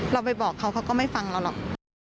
เราไปบอกเขาเขาก็ไม่ฟังเราหรอก